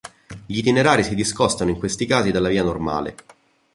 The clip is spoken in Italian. Gli itinerari si discostano in questi casi dalla via normale.